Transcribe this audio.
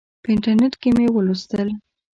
په انټرنیټ کې مې ولوستل.